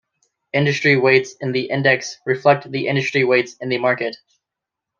Industry weights in the index reflect the industry weights in the market.